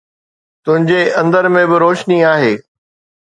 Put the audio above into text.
تنهنجي اندر ۾ به روشني آهي.